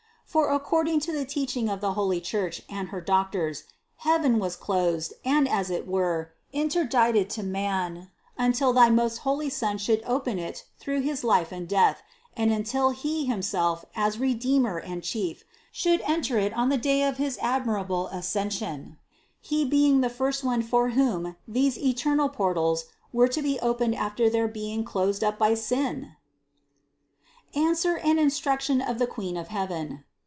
For according to the teaching of the holy Church and her doctors, heaven was closed and as it were inter dicted to man, until thy most holy Son should open it through his life and death, and until He himself, as Re deemer and Chief, should enter it on the day of his ad mirable Ascension, He being the first one for whom these eternal portals were to be opened after their being closed up by sin ? ANSWER AND INSTRUCTION OF THE QUEEN OF HEAVEN.